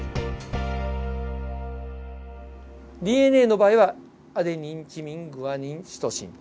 ＤＮＡの場合はアデニンチミングアニンシトシン。